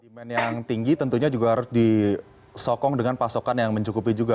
demand yang tinggi tentunya juga harus disokong dengan pasokan yang mencukupi juga